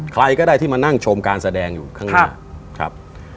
ใครก็ได้ที่มานั่งชมการแสดงอยู่ข้างหน้าครับ